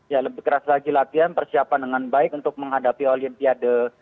ya lebih keras lagi latihan persiapan dengan baik untuk menghadapi olimpiade